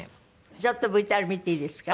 ちょっとＶＴＲ見ていいですか？